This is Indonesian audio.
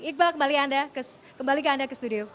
iqbal kembali ke anda ke studio